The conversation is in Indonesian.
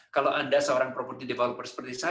kalau anda seorang properti developer seperti saya